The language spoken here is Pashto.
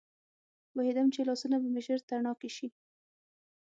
پوهېدم چې لاسونه به مې ژر تڼاکي شي.